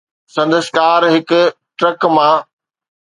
سندس ڪار هڪ ٽرڪ مان